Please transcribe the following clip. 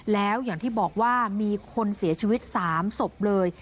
แล้วอย่างที่บอกว่ามีคนเสียชีวิต๓ศพเลย